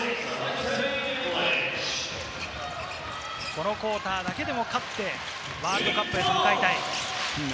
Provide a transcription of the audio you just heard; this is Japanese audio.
このクオーターだけでも勝って、ワールドカップへと向かいたい。